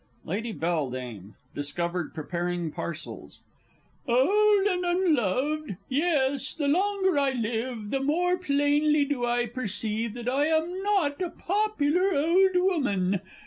_ Lady Belledame (discovered preparing parcels). Old and unloved! yes the longer I live, the more plainly do I perceive that I am not a popular old woman.